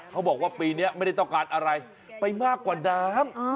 เขาบอกว่าปีนี้ไม่ได้ต้องการอะไรไปมากกว่าน้ำ